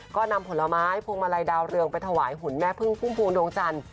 ก็นำผลไม้พวงมาลัยดาวเรืองไปถวายหุ่นแม่พึ่งพุ่มพวงดวงจันทร์